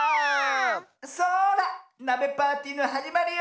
そらなべパーティーのはじまりよ。